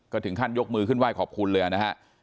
ก็ถึงขั้นยกมือขึ้นไห้ขอบคุณเลยนะฮะ